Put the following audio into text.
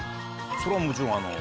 それはもちろんあの。